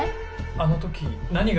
あの時何が。